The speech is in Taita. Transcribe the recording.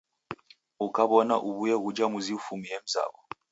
Ukaw'ona uw'ue ghuja muzi ufumie mzaw'o.